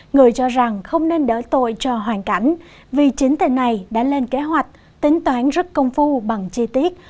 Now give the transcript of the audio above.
người cho rằng không nên đỡ tôi cho hoàn cảnh vì chính tên này đã lên kế hoạch tính toán rất công phu bằng chi tiết